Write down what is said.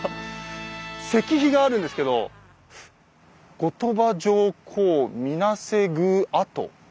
石碑があるんですけど「後鳥羽上皇水無瀬宮址」。